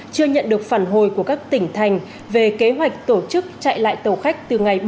một mươi chưa nhận được phản hồi của các tỉnh thành về kế hoạch tổ chức chạy lại tàu khách từ ngày